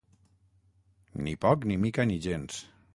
Ni poc, ni mica, ni gens.